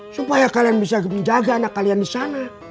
supaya kalian bisa menjaga anak kalian di sana